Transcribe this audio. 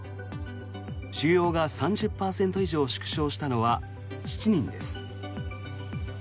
腫瘍が３０％以上縮小したのは７人です。